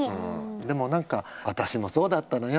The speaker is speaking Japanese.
でも何か「私もそうだったのよ。